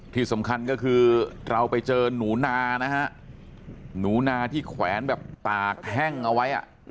ที่สำคัญก็คือเราไปเจอหนูนานะฮะหนูนาที่แขวนแบบตากแห้งเอาไว้